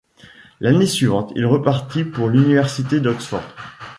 L'année suivante il repartit pour l'Université d'Oxford.